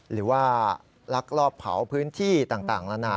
หรือว่าลักลอบเผาพื้นที่ต่างละนะ